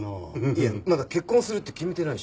いやまだ結婚するって決めてないし。